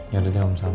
yaudah jangan masalah